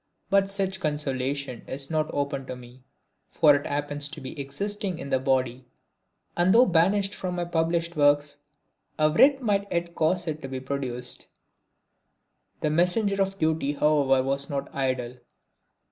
But such consolation is not open to me, for it happens to be existing in the body; and though banished from my published works, a writ might yet cause it to be produced. The messenger of duty however was not idle.